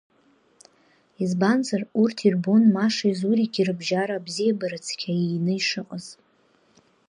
Избанзар, урҭ ирбон Машеи Зурики рыбжьара абзиабара цқьа иины ишыҟаз.